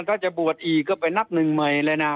ถ้าจะบวชอีกก็ไปนับหนึ่งใหม่เลยนะ